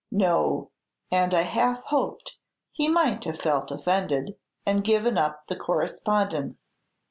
"No; and I half hoped he might have felt offended, and given up the correspondence.